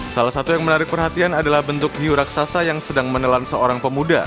salah satu yang menarik perhatian adalah bentuk hiu raksasa yang sedang menelan seorang pemuda